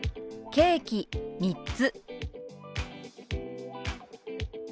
「ケーキ３つ」。